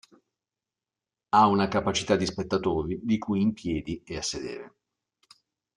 Ha una capacità di spettatori, di cui in piedi e a sedere.